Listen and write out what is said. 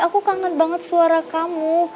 aku kangen banget suara kamu